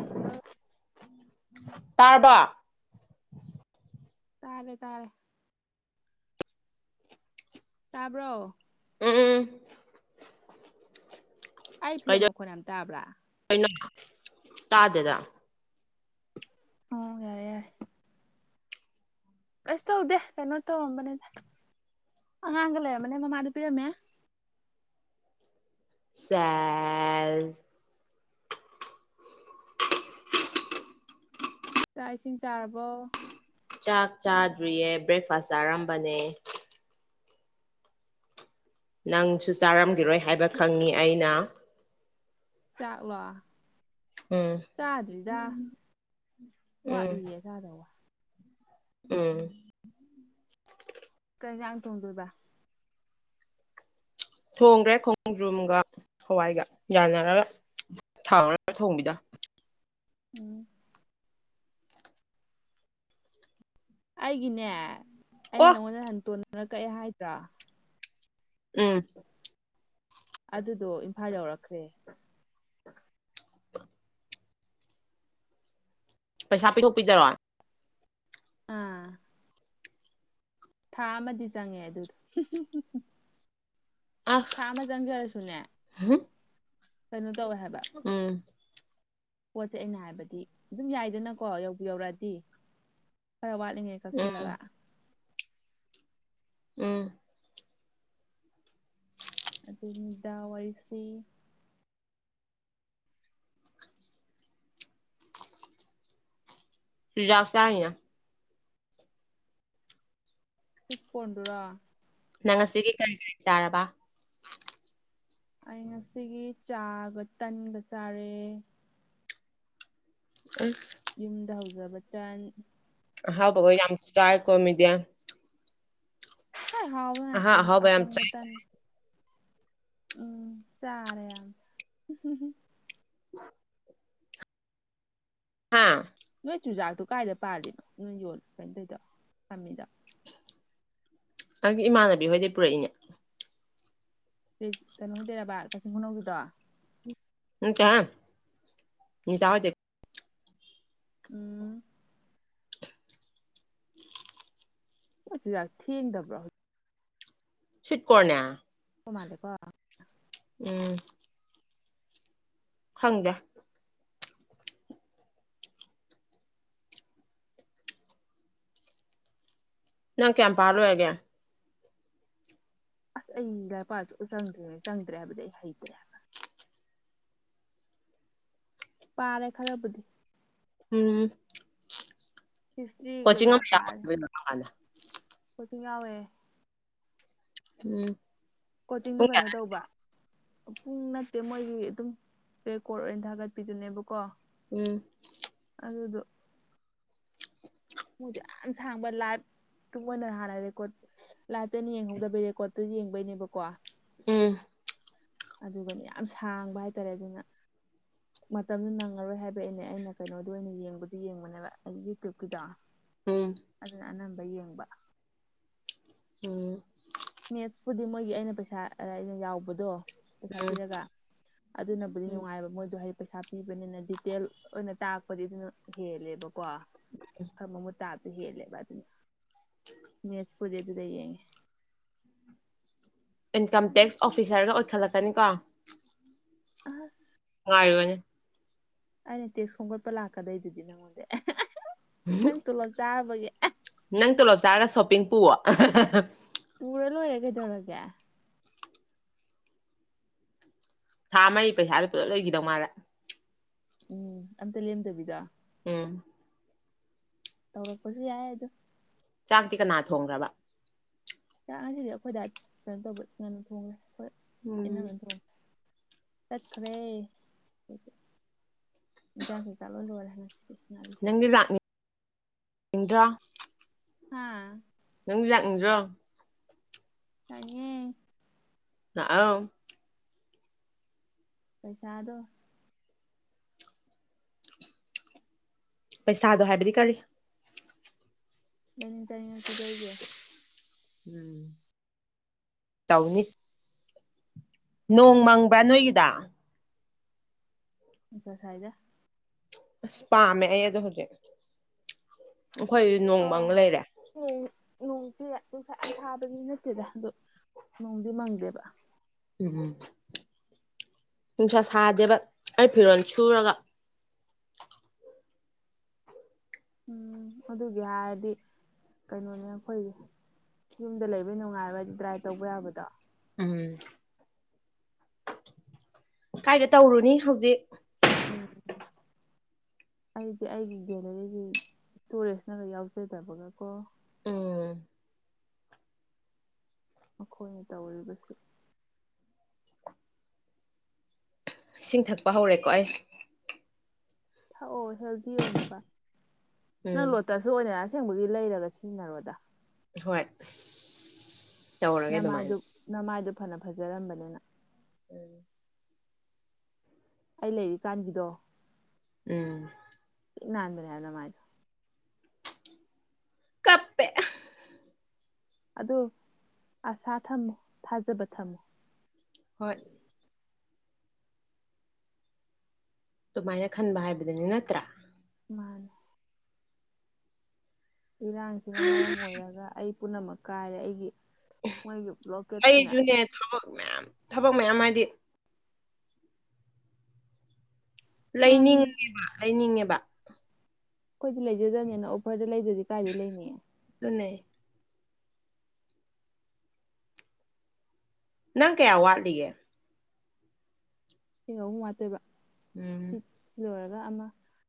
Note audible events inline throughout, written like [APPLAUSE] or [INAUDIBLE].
hello ꯇꯔꯔꯕ ꯇꯥꯔꯦ ꯇꯥꯔꯦ ꯇꯥꯕ꯭ꯔꯣ ꯎꯝ ꯑꯩ ꯐꯦꯟ ꯃꯈꯣꯟ ꯌꯥꯝ ꯇꯥꯕ꯭ꯔꯥ ꯑꯩꯅ ꯇꯥꯗꯦꯗ ꯍ ꯌꯥꯔꯦ ꯌꯥꯔꯦ ꯀꯁ ꯇꯧꯗꯦ ꯀꯩꯅꯣ ꯇꯧꯔꯝꯕꯅꯦꯗ ꯑꯉꯥꯡꯒ ꯂꯩꯔꯝꯕꯅꯦ ꯃꯃꯥꯗ ꯄꯤꯔꯝꯃꯦ ꯁꯦꯜ ꯆꯥꯛ ꯏꯁꯤꯡ ꯆꯥꯔꯕ ꯆꯥꯛ ꯆꯥꯗ꯭ꯔꯤꯌꯦ ꯕ꯭ꯔꯦꯛꯐꯥꯁ ꯆꯥꯔꯝꯕꯅꯦ ꯅꯪꯁꯨ ꯆꯥꯔꯝꯈꯤꯔꯣꯏ ꯍꯥꯏꯕ ꯈꯪꯉꯤ ꯑꯩꯅ ꯆꯥꯛꯂꯣ ꯎꯝ ꯆꯥꯗ꯭ꯔꯤꯗ ꯎꯝ ꯋꯥꯠꯂꯤꯌꯦ ꯌꯥꯗꯧꯕ ꯎꯝ ꯀꯩꯖꯥꯡ ꯇꯣꯡꯗꯣꯏꯕ ꯊꯣꯡꯈ꯭ꯔꯦ ꯈꯣꯡꯗ꯭ꯔꯨꯝꯒ ꯍꯋꯥꯏꯒ ꯌꯥꯅꯔꯒ ꯊꯥꯎ ꯊꯣꯡꯕꯤꯗ ꯎꯝ ꯑꯩꯒꯤꯅꯦ ꯑꯩꯅ ꯑꯣ ꯅꯪꯉꯣꯟꯗ ꯍꯟꯇꯣꯟꯅꯅ ꯀꯛꯑꯦ ꯍꯥꯏꯗ꯭ꯔꯥ ꯎꯝ ꯑꯗꯨꯗꯣ ꯏꯝꯐꯥꯜ ꯌꯧꯔꯛꯈ꯭ꯔꯦ ꯄꯩꯁꯥ ꯄꯤꯊꯣꯛꯄꯤꯗꯔꯣ ꯑꯥ ꯊꯥ ꯑꯃꯗꯤ ꯆꯪꯉꯦ ꯑꯗꯨꯗꯣ ꯑꯁ ꯊꯥ ꯑꯃ ꯆꯪꯈꯔꯁꯨꯅꯦ ꯀꯩꯅꯣ ꯇꯧꯋꯦ ꯍꯥꯏꯕ ꯎꯝ ꯄꯣꯠꯁꯦ ꯑꯩꯅ ꯍꯥꯏꯕꯗꯤ ꯑꯗꯨꯝ ꯌꯥꯏꯗꯅꯀꯣ ꯌꯧꯕꯤ ꯌꯧꯔꯛꯑꯗꯤ ꯈꯔ ꯋꯥꯠꯂꯤꯉꯩ ꯎꯝ ꯆꯁꯜꯂꯒ ꯎꯝ ꯑꯗꯨꯗ ꯋꯥꯔꯤꯁꯤ ꯇꯖꯥ ꯑꯁꯦ ꯍꯥꯏꯅ ꯄꯤꯠ ꯀꯗꯨꯔꯥ ꯅꯪ ꯑꯁꯤꯒꯤ ꯀꯔꯤ ꯀꯔꯤ ꯆꯥꯔꯕ ꯑꯩ ꯉꯁꯤꯒꯤ ꯆꯥꯕ ꯇꯟꯕ ꯆꯥꯔꯑꯦ ꯑ ꯌꯨꯝꯗ ꯍꯧꯖꯕ ꯇꯟ ꯍꯥꯎꯕꯕꯣ ꯌꯥꯝ ꯇꯗꯥꯏ ꯀꯃꯤ ꯗꯦ ꯍꯣꯏ ꯑꯍꯥ ꯍꯥꯎꯅꯥꯆ ꯑꯍꯥꯎꯕ ꯌꯥꯝ ꯑꯀꯪ ꯆꯥꯏ ꯃꯇ ꯎꯝ ꯆꯔꯦ ꯌꯥꯝ [INAUDIBLE] ꯍꯥꯥ ꯅꯣꯏ ꯆꯨꯖꯥꯛꯇꯣ ꯀꯥꯏꯏꯗ ꯄꯥꯜꯂꯤꯅꯣ ꯅꯣꯏ ꯌꯣꯜꯂꯤꯂ ꯀꯩꯅꯣ ꯀꯩꯗ ꯐꯥꯝꯃꯤꯗ ꯅꯪꯒꯤ ꯏꯃꯥꯟꯅꯕꯤ ꯍꯣꯏꯩ ꯄꯨꯔꯛꯏꯅꯦ ꯁꯤ ꯀꯩꯅꯣꯗꯦꯔꯕꯕꯥ ꯀꯛꯆꯤꯡ ꯈꯨꯅꯧꯒꯤꯗꯣ ꯎꯝ ꯆꯍ ꯃꯤꯁꯥꯎꯗꯦ ꯎꯝ ꯥꯛ ꯊꯗꯕ꯭ꯔꯣ ꯁꯤꯤꯠ ꯀꯣꯔꯣꯅꯦ ꯎ ꯃꯥꯂꯀꯣ ꯎꯝ ꯍꯪꯗꯦ ꯅꯪ ꯀꯌꯥꯄꯥꯔꯣ ꯍꯥꯏꯒ ꯑꯁ ꯑꯩ ꯂꯄꯥꯁꯨ ꯎ ꯆꯪꯗ꯭ꯔꯤꯉꯩ ꯆꯪꯗ꯭ꯔꯦ ꯍꯥꯏꯕꯗꯤ ꯑꯩ ꯍꯩꯇ꯭ꯔꯦ ꯄꯥꯔꯦ ꯈꯔꯕꯨꯗꯤ ꯎꯝ ꯍꯤꯁꯇ꯭ꯔꯤ ꯀꯣꯆꯤꯡ ꯀꯩꯀꯥ ꯑꯃ ꯄꯥꯔ ꯌꯥꯎꯔꯗꯣꯏꯅꯣ ꯀꯔꯝꯀꯥꯟꯗ ꯀꯣꯇꯤꯡ ꯉꯥꯎꯋꯦ ꯎꯝ ꯀꯣꯆꯤꯡꯗꯨ ꯄꯨꯡ ꯀꯩꯅꯣ ꯀꯌꯥꯗ ꯇꯧꯕ ꯄꯨꯡ ꯅꯠꯇꯦ ꯃꯣꯏꯒꯤ ꯑꯗꯨꯝ ꯔꯦꯀꯣꯔꯠ ꯑꯣꯏꯅ ꯊꯥꯒꯠꯄꯤꯗꯨꯅꯦꯕꯀꯣ ꯎꯝ ꯑꯗꯨꯗꯣ ꯗꯨ ꯌꯥꯝ ꯁꯥꯡꯕ ꯂꯥꯏꯚ ꯇꯨ ꯃꯣꯏꯅ ꯍꯥꯟꯅ ꯔꯦꯀꯣꯔꯠ ꯂꯥꯏꯞꯇꯅ ꯌꯦꯡꯍꯧꯗꯕꯩ ꯔꯦꯀꯣꯠꯇꯨ ꯌꯦꯡꯕꯩꯅꯦꯕꯀꯣ ꯎꯝ ꯑꯗꯨꯒꯅꯤ ꯌꯥꯝ ꯁꯥꯡꯕ ꯍꯥꯏꯇꯥꯔꯦ ꯑꯗꯨꯅ [INAUDIBLE] ꯃꯇꯝꯗꯨꯣ ꯅꯪꯉꯔꯣꯏ ꯍꯥꯏꯕ ꯑꯩꯅꯦ ꯑꯩꯅ ꯀꯩꯅꯣꯗ ꯑꯣꯏꯅ ꯌꯦꯡꯕꯗꯨ ꯌꯦꯡꯕꯅꯦꯕ ꯑꯩ ꯌꯨꯇ꯭ꯌꯨꯨꯞꯀꯤꯗ ꯎꯝ ꯑꯗꯨꯅ ꯑꯅꯝꯕ ꯌꯦꯡꯕ ꯎꯝ ꯃꯦꯠꯁꯄꯨꯗꯤ ꯃꯣꯏꯒꯤ ꯑꯩꯅ ꯄꯩꯁꯥ ꯑꯩꯅ ꯌꯥꯎꯕꯗꯣ ꯄꯩꯁꯥ ꯎꯝ ꯄꯤꯔꯒ ꯑꯗꯨꯅꯕꯨꯗꯤ ꯎꯝ ꯅꯨꯡꯉꯥꯏꯑꯕ ꯃꯣꯏꯗꯣ ꯍ ꯄꯩꯁꯥ ꯄꯤꯕꯅꯤꯅ ꯗꯤꯇꯦꯜ ꯑꯣꯏꯅ ꯇꯥꯛꯔꯄꯗꯤ ꯑꯗꯨꯅ ꯍꯦꯜꯂꯦꯕꯀꯣ ꯈꯔ ꯃꯃꯨꯠ ꯇꯥ ꯍꯦꯜꯂꯦꯕ ꯑꯗꯨꯅꯤ ꯃꯦꯠꯁꯄꯨꯗꯤ ꯑꯗꯨꯗ ꯌꯦꯡꯉꯦ ꯏꯟꯀꯝ ꯇꯦꯛꯁ ꯑꯣꯐꯤꯁꯥꯔꯒ ꯑꯣꯏꯈꯠꯂꯛꯀꯅꯤꯀꯣ ꯑꯍ ꯉꯥꯏꯕꯅꯤ ꯑꯩꯅ ꯇꯦꯛꯁ ꯈꯣꯝꯒꯠꯄ ꯂꯥꯛꯀꯗꯩꯗꯨꯗꯤ ꯅꯪꯉꯣꯟꯗ ꯅꯪ ꯇꯣꯂꯞ ꯆꯥꯔꯕꯒꯤ ꯅꯪ ꯇꯣꯂꯣꯞ ꯆꯥꯔꯒ ꯁꯣꯞꯄꯤꯡ ꯄꯨꯋꯣ ꯄꯨꯔ ꯂꯣꯏꯔꯦ ꯀꯩꯗꯧꯔꯒꯦ ꯊꯥ ꯃꯔꯤ ꯄꯩꯁꯥꯗꯨ ꯄꯨꯂꯞ ꯂꯩꯒꯤꯗꯧ ꯃꯥꯜꯂꯦ ꯎꯝ ꯑꯝꯇ ꯂꯦꯝꯗꯕꯤꯗ ꯎꯝ ꯇꯧꯔꯛꯄꯁꯨ ꯌꯥꯏ ꯑꯗꯣ ꯆꯥꯛꯇꯤ ꯀꯅꯥ ꯊꯣꯡꯈ꯭ꯔꯕ ꯆꯥꯛ ꯉꯁꯤꯗꯤ ꯑꯩꯈꯣꯏ ꯗꯥꯏ ꯀꯩꯅꯣ ꯇꯧꯕ ꯉꯟꯅ ꯊꯣꯡꯉꯦ ꯑꯩꯈꯣꯏ ꯎꯝ ꯏꯅꯝꯃꯅ ꯊꯣꯡꯉꯦ ꯆꯠꯈ꯭ꯔꯦ ꯍꯦꯟꯖꯥꯡ ꯀꯩꯀꯥ ꯂꯣꯏ ꯂꯣꯏꯔꯦ ꯉꯁꯤ ꯅꯪꯗꯤ ꯂꯥꯛꯅꯤꯡ ꯅꯤꯡꯗ꯭ꯔꯣ ꯍꯥꯥ ꯅꯪꯗꯤ ꯂꯥꯛꯅꯤꯡ ꯗ꯭ꯔꯣ ꯂꯥꯛꯅꯤꯡꯉꯦ ꯂꯥꯛꯑꯣ ꯄꯩꯁꯥꯗꯣ ꯄꯩꯁꯥꯗꯣ ꯍꯥꯏꯕꯗꯤ ꯀꯔꯤ ꯂꯥꯏꯅꯤꯡ ꯆꯥꯏꯅꯤꯡꯉ ꯄꯤꯗꯣꯏꯒꯦ ꯎꯝ ꯇꯧꯅꯤ ꯅꯣꯡ ꯃꯪꯕ꯭ꯔꯥ ꯅꯣꯏꯒꯤꯗ ꯅꯨꯡꯁꯥ ꯁꯥꯏꯗ ꯑꯁ ꯄꯥꯝꯃꯦ ꯑꯩ ꯑꯗꯣ ꯍꯧꯖꯤꯛ ꯑꯩꯈꯣꯏ ꯅꯣꯡ ꯃꯪꯉ ꯂꯩꯔꯦ ꯍꯌꯦ ꯅꯣꯡꯁꯦ ꯅꯨꯡꯁꯥ ꯌꯥꯝ ꯁꯥꯕꯗꯤ ꯅꯠꯇꯦꯗ ꯑꯗꯣ ꯅꯣꯡꯗꯤ ꯃꯪꯗꯦꯕ ꯎꯝ ꯎꯝ ꯅꯨꯡꯁꯥ ꯁꯥꯗꯦꯕ ꯑꯩ ꯐꯤꯔꯣꯜ ꯁꯨꯔꯒ ꯎꯝ ꯑꯗꯨꯒꯤ ꯍꯥꯏꯔꯗꯤ ꯀꯩꯅꯣꯅꯦ ꯑꯩꯈꯣꯏꯒꯤ ꯌꯨꯝꯗ ꯂꯩꯕ ꯅꯨꯡꯉꯥꯏꯕ ꯍꯥꯏꯗꯤ ꯗ꯭ꯔꯥꯏ ꯇꯧꯕ ꯌꯥꯕꯗꯣ ꯎꯝ ꯀꯥꯏꯗ ꯑꯁ ꯇꯧꯔꯨꯅꯤ ꯍꯧꯖꯤꯛ ꯎꯝ ꯑꯩꯗꯤ ꯑꯩꯒꯤ ꯒꯦꯂꯔꯤꯁꯤ ꯏꯁꯇꯣꯔꯦꯖꯅꯒ ꯌꯥꯎꯖꯗꯕꯒ ꯀꯣ ꯎꯝ ꯃꯈꯣꯏꯅ ꯇꯧꯔꯤꯕꯁꯤ ꯏꯁꯤꯡ ꯊꯛꯄ ꯍꯧꯔꯦꯀꯣ ꯑꯩ ꯊꯥꯛꯑꯣ ꯍꯦꯜꯗꯤ ꯑꯣꯏꯅꯕ ꯅꯪ ꯎꯝ ꯂꯣ ꯇꯁꯨ ꯑꯣꯏꯅ ꯑꯁꯦꯡꯕꯒꯤ ꯂꯩꯔꯒ ꯁꯤꯖꯤꯟꯅꯔꯣꯗ ꯍꯣꯏ ꯇꯧꯔꯒꯦ ꯑꯗꯨꯃꯥꯏꯅ ꯅꯃꯥꯏꯗꯨꯅꯃꯥꯏꯗꯣ ꯐꯅ ꯐꯖꯔꯝꯕꯅꯤꯅꯪ ꯎꯝ ꯑꯩ ꯂꯩꯔꯤꯀꯥꯟꯒꯤꯗꯣ ꯎꯝ ꯊꯤ ꯅꯥꯟꯕꯅꯦꯕ ꯅꯃꯥꯏꯗꯣ ꯀꯞꯄꯦ ꯑꯗꯣ ꯑꯁꯥ ꯊꯝꯃꯣ ꯊꯥꯖꯕ ꯊꯝꯃꯣ ꯍꯣꯏ ꯑꯗꯨꯃꯥꯏꯅ ꯈꯟꯕ ꯍꯥꯏꯕꯗꯨꯅꯤ ꯅꯠꯇ꯭ꯔꯥ ꯃꯥꯥꯟ ꯏꯔꯥꯡꯁꯤꯅ ꯃꯔꯝ ꯑꯣꯏꯔꯒ ꯑꯩ ꯄꯨꯝꯅꯃꯛ ꯀꯥꯏꯔꯦ ꯑꯩꯒꯤ ꯃꯣꯏꯒꯤ ꯕ꯭ꯂꯣꯀꯦꯠꯁꯤꯅ ꯑꯩꯁꯨꯅꯦ ꯊꯕꯛ ꯃꯌꯥꯝ ꯊꯕꯛ ꯃꯌꯥꯝ ꯍꯥꯏꯗꯤ ꯃꯥꯅꯤꯅꯦ ꯂꯩꯅꯤꯡꯉꯦꯕ ꯂꯩꯅꯤꯡꯉꯦꯕ ꯑꯩꯈꯣꯏꯗꯤ ꯂꯩꯖꯗꯕꯅꯤꯅ ꯑꯣꯐꯔꯗ ꯂꯩꯗ꯭ꯔꯗꯤ ꯀꯥꯏꯗꯤ ꯂꯩꯅꯤꯑ ꯄꯨꯅꯦ ꯅꯪ ꯀꯌꯥ ꯋꯥꯠꯂꯤꯒꯦ ꯏꯁꯤꯡ ꯑꯍꯨꯝ ꯋꯥꯇꯣꯏꯕ ꯎꯝ ꯁꯤ ꯂꯣꯏꯔꯒ ꯑꯃ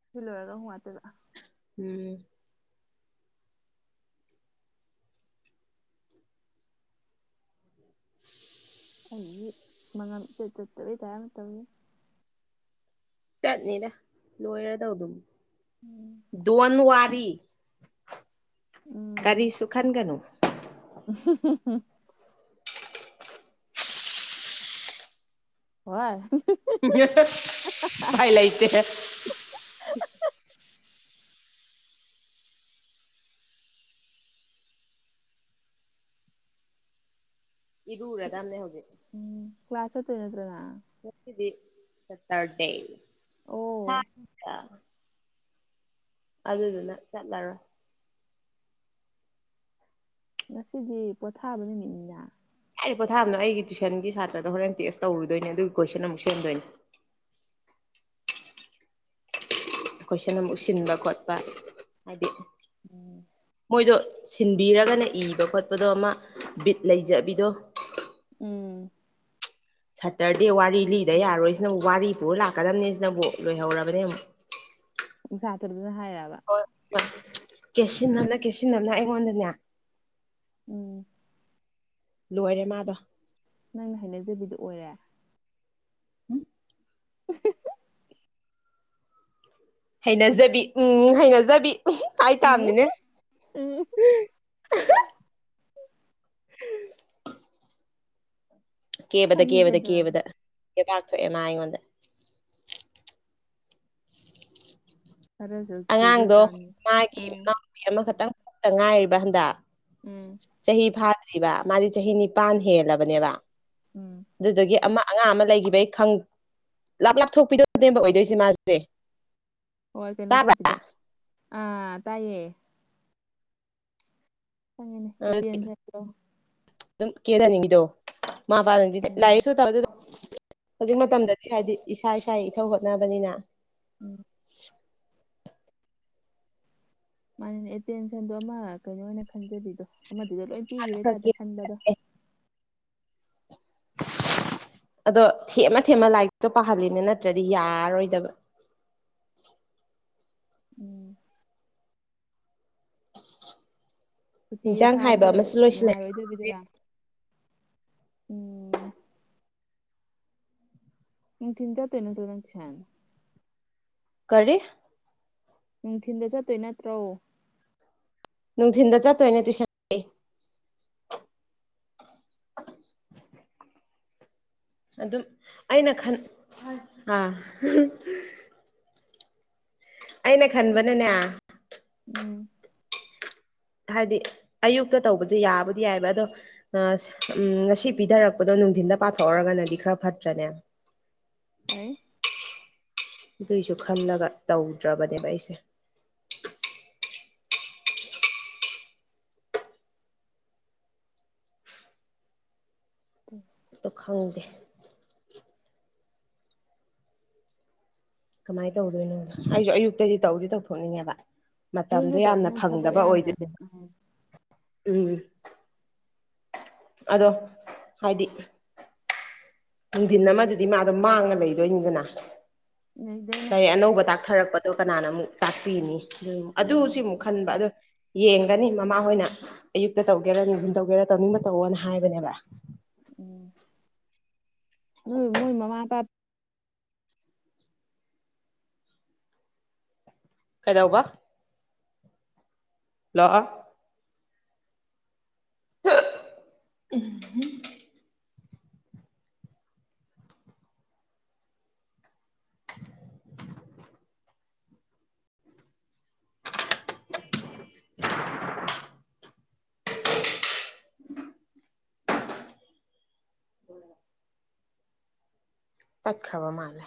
ꯁꯤ ꯂꯣꯏꯔꯒ ꯑꯍꯨꯝ ꯋꯥꯇꯣꯏꯕ ꯎꯝ [INAUDIBLE] ꯑꯩꯒꯤ ꯃꯅꯝꯆ ꯆꯠꯇꯕ ꯇꯔꯅ ꯇꯧꯋ ꯆꯠꯅꯤꯗ ꯂꯣꯏꯔꯗꯧ ꯑꯗꯨꯝ ꯗꯣꯟ ꯋꯥꯗꯤ ꯀꯒꯥꯔꯤꯁꯨꯨ ꯈꯥꯟꯒꯅꯨ ꯎ [UNINTELLIGIBLE] ꯍꯣꯏ ꯄꯥꯏ ꯂꯩꯇꯦ ꯏꯔꯦꯗꯥꯟꯅꯦ ꯍꯒꯦ ꯎꯝ ꯀ꯭ꯂꯥꯁꯦ ꯆꯠꯇꯣꯏ ꯅꯠꯇ꯭ꯔꯣ ꯅꯪ ꯗꯤ ꯆꯠꯇꯔꯗꯦ ꯑꯣ ꯍ ꯑꯗꯨꯗꯨꯅ ꯆꯠꯂꯔ ꯉꯁꯤꯗꯤ ꯄꯣꯊꯥꯕ ꯅꯨꯃꯤꯠꯅꯤꯅ ꯍꯥꯏꯔꯤꯕ ꯄꯣꯊꯥꯝꯗꯣ ꯑꯩꯒꯤ ꯇꯨꯏꯁꯟꯒꯤ ꯁꯥꯇ꯭ꯔꯗ ꯍꯣꯔꯦꯟ ꯇꯦꯛꯁ ꯇꯧꯔꯨꯗꯣꯏꯅꯦ ꯑꯗꯨꯒꯤ ꯀꯣꯏꯁꯟ ꯑꯃꯨꯛ ꯁꯦꯝꯗꯣꯏꯅꯦ ꯑꯩꯈꯣꯏꯁꯤꯅ ꯑꯃꯨꯛ ꯁꯤꯟꯕ ꯈꯣꯠꯄ ꯍꯥꯏꯗꯤ ꯎꯝ ꯃꯣꯏꯗꯣ ꯁꯤꯟꯕꯤꯔꯒꯅ ꯏꯕ ꯈꯣꯠꯄꯗꯣ ꯑꯃ ꯕꯤꯠ ꯂꯩꯖꯕꯤꯗꯣ ꯎꯝ ꯁꯇꯔꯗꯦ ꯋꯥꯔꯤ ꯂꯤꯗ ꯌꯥꯔꯣꯏꯁꯤꯅꯕꯨ ꯋꯥꯔꯤ ꯄꯨꯔ ꯂꯥꯛꯀꯗꯕꯅꯤ ꯁꯤꯅꯕꯨ ꯂꯣꯏꯍꯧꯔꯕꯅꯦ ꯑꯃꯛ ꯁꯥꯇ꯭ꯔꯗꯨꯅ ꯍꯥꯏꯑꯕ ꯀꯦꯁꯤꯟ ꯑꯃꯅ ꯀꯦꯁꯤꯟ ꯑꯃꯅ ꯑꯩꯉꯣꯟꯗꯅꯦ ꯎꯝ ꯂꯣꯏꯔꯦ ꯃꯥꯗꯣ ꯅꯪꯅ ꯍꯥꯏꯅꯖꯕꯤꯗꯨ ꯑꯣꯏꯔꯦ [INAUDIBLE] ꯍꯩꯅꯖꯕꯤ ꯎꯝ ꯍꯩꯅꯖꯕꯤ ꯍꯥꯏ ꯎꯝ ꯇꯥꯕꯅꯤꯅꯦ ꯎꯝ ꯎ ꯀꯦꯕꯗ ꯈꯪꯉꯤ ꯀꯦꯕꯗ ꯀꯩꯗꯧꯔꯒꯦ ꯀꯦꯕꯗ ꯀꯦꯕꯥꯛ ꯊꯣꯛꯑꯦ ꯃꯥ ꯑꯩꯉꯣꯟꯗ [UNINTELLIGIBLE] ꯑꯉꯥꯡꯗꯣ ꯇꯥꯕꯅꯤ ꯃꯥꯒꯤ ꯎꯝ ꯄꯤ ꯑꯃꯈꯛꯇꯪꯛꯇ ꯉꯥꯏꯔꯤꯕ ꯍꯟꯗ ꯎꯝ ꯆꯍꯤꯥ ꯐꯥ ꯃꯥꯗꯤ ꯆꯍꯤ ꯅꯤꯄꯥꯟ ꯍꯦꯜꯂꯕꯅꯦꯕ ꯎꯝ ꯑꯗꯨꯗꯒꯤ ꯑꯃ ꯑꯉꯥꯡ ꯑꯃ ꯂꯩꯈꯤꯕꯩ ꯈꯪ ꯂꯥꯞ ꯂꯥꯞꯊꯣꯛꯄꯤꯗꯣ ꯅꯦꯝꯕ ꯑꯣꯏꯗꯣꯏꯁ ꯃꯥꯁꯦ ꯍꯣꯏ ꯀꯩꯅꯣ ꯇꯥꯕ꯭ꯔꯥ ꯇꯧꯕꯤꯗꯣ ꯑꯥ ꯇꯥꯏꯌꯦ ꯐꯪꯉꯦꯅꯦ ꯑꯦ ꯄꯟꯁꯂꯣ ꯑꯗꯨꯝ ꯀꯦꯍꯅꯤꯡꯉꯤꯗꯣ ꯃꯥꯄꯥꯥ ꯅꯗꯤ ꯎꯝ ꯂꯥꯏꯔꯤꯁꯨ ꯇꯧꯔꯗꯤ ꯍꯧꯖꯤꯛ ꯃꯇꯝꯗꯗꯤ ꯍꯥꯏꯗꯤ ꯏꯁꯥ ꯏꯁꯥꯒꯤ ꯏꯊꯧ ꯍꯣꯠꯅꯕꯅꯤꯅ [INAUDIBLE] ꯃꯥꯅꯅꯦ ꯑꯦꯇꯦꯟꯁꯟꯗꯣ ꯑꯃ ꯀꯩꯅꯣ ꯑꯣꯏꯅ ꯈꯟꯖꯕꯤꯗꯣ ꯑꯃꯗꯨꯗ ꯂꯣꯏ ꯄꯤꯈꯤꯕꯩ ꯈꯔ ꯇꯥꯏꯞꯇ ꯀꯦꯔꯦ ꯈꯟꯕꯗꯣ ꯑꯗꯣ ꯊꯦꯝꯃ ꯊꯦꯝꯃ ꯂꯥꯏꯔꯤꯛꯇꯣ ꯄꯥꯍꯜꯂꯤꯅꯦ ꯅꯠꯇ꯭ꯔꯗꯤ ꯌꯥꯔꯔꯣꯏꯗꯕ [UNINTELLIGIBLE] ꯁꯨꯇꯤꯗ ꯏꯟꯖꯥꯡ ꯍꯥꯏꯕ ꯊꯥꯕꯗ ꯑꯃꯁꯨ ꯂꯣꯏꯁꯤꯜꯂꯛꯑꯦ ꯅꯨꯡꯉꯥꯏꯔꯣꯏꯗꯣꯏꯕꯤꯗꯨꯔꯥ ꯎꯝ ꯅꯨꯡꯊꯤꯟ ꯆꯠꯇꯣꯏ ꯅꯠꯠꯔꯣ ꯅꯪ ꯇꯨꯏꯁꯟ ꯀꯔꯤ ꯅꯨꯡꯊꯤꯟꯗ ꯆꯠꯇꯣꯏ ꯅꯠꯇ꯭ꯔꯣ ꯅꯨꯡꯊꯤꯟꯗ ꯆ ꯇꯣꯏꯅꯦ ꯇꯨꯁꯟ ꯑꯗꯨꯝ ꯑꯩꯅ ꯈꯟ ꯑꯥ ꯑꯩꯅ ꯈꯟꯕꯅꯅꯦ ꯎꯝ ꯍꯥꯏꯗꯤ ꯑꯌꯨꯛꯇ ꯇꯧꯕꯁꯦ ꯌꯥꯕꯨꯗꯤ ꯌꯥꯏꯕ ꯑꯗꯣ ꯑ ꯎꯝ ꯉꯁꯤ ꯄꯤꯊꯔꯛꯄꯗꯣ ꯅꯨꯡꯊꯤꯟꯗ ꯄꯥꯊꯣꯛꯑꯔꯒꯅꯗꯤ ꯈꯔ ꯐꯠꯇ꯭ꯔꯅꯦ ꯑꯩ ꯑꯗꯨꯏꯁꯨ ꯈꯜꯂꯒ ꯇꯧꯗ꯭ꯔꯕꯅꯦꯕ ꯑꯩꯁꯦ [UNINTELLIGIBLE] ꯈꯪꯗꯦ ꯀꯃꯥꯏꯅ ꯇꯧꯗꯣꯏꯅꯣ ꯑꯩꯁꯨ ꯑꯌꯨꯛꯇꯗꯤ ꯇꯧꯗꯤ ꯇꯧꯊꯣꯛꯅꯤꯡꯉꯦꯕ ꯃꯇꯝꯗꯣ ꯑꯌꯨꯛꯇ ꯇꯧꯔꯗꯤ ꯌꯥꯝꯅ ꯅꯪ ꯊꯕꯛ ꯐꯪꯗꯕ ꯌꯥꯝꯅ ꯑꯣꯏꯗꯣꯏꯅꯦꯕ ꯎꯝ ꯎꯝ ꯑꯗꯣ ꯍꯥꯏꯗꯤ ꯅꯨꯡꯊꯤꯟ ꯑꯃꯗꯨꯗꯤ ꯃꯥꯗꯣ ꯃꯥꯡꯉ ꯂꯩꯗꯣꯏꯅꯤꯗꯅ ꯅꯩꯗꯣꯏꯅꯦ ꯀꯔꯤ ꯑꯅꯧꯕ ꯇꯥꯛ ꯄꯠꯊꯔꯛꯄꯗꯣ ꯀꯅꯥꯅ ꯑꯃꯨꯛ ꯆꯥꯛꯄꯤꯅꯤ ꯑꯗꯨ ꯁꯤ ꯎꯝ ꯑꯃꯨꯛ ꯈꯟꯕ ꯑꯗꯣ ꯌꯦꯡꯒꯅꯤ ꯃꯃꯥ ꯍꯣꯏꯅ ꯑꯌꯨꯛꯇ ꯇꯧꯒꯦꯔ ꯅꯨꯡꯊꯤꯟ ꯇꯧꯒꯦꯔ ꯇꯧꯅꯤꯡꯕ ꯇꯧꯋꯅ ꯍꯥꯏꯕꯅꯦꯕ ꯎꯝ ꯅꯣꯏ ꯃꯣꯏ ꯃꯃꯥ ꯑ ꯇ ꯀꯩꯗꯧꯕ ꯂꯥꯛꯑꯣ [UNINTELLIGIBLE] [INAUDIBLE] [INAUDIBLE] ꯍ ꯇꯥꯏꯈꯔꯥꯕ ꯃꯂꯦ